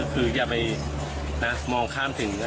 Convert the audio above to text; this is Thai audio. คืออย่าไปมองข้ามถึง